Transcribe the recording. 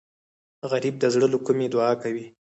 غریب د زړه له کومي دعا کوي